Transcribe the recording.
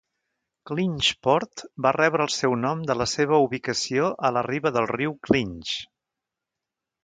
Clinchport va rebre el seu nom de la seva ubicació a la riba del riu Clinch.